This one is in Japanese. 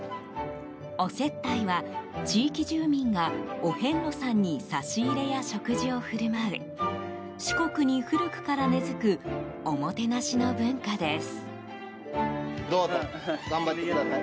お接待は、地域住民がお遍路さんに差し入れや食事を振る舞う四国に古くから根付くおもてなしの文化です。